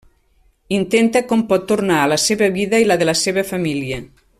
Intenta com pot tornar a la seva vida i la de la seva família.